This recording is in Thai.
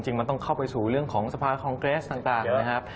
มันต้องเข้าไปสู่เรื่องของสภาคองเกรสต่างนะครับ